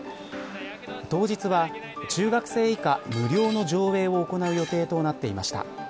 当日は中学生以下、無料の上映を行う予定となっていました。